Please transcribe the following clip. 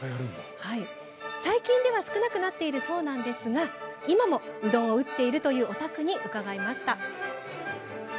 最近では少なくなっているそうですが今も、うどんを打っているというお宅に伺いました。